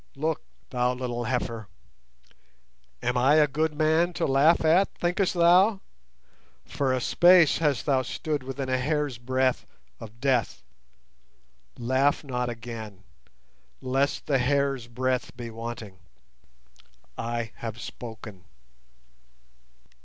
Look, thou little heifer! Am I a good man to laugh at, thinkest thou? For a space hast thou stood within a hair's breadth of death. Laugh not again, lest the hair's breadth be wanting. I have spoken."